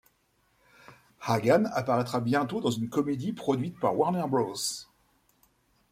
Hagan apparaîtra bientôt dans une comédie produite par Warner Bros.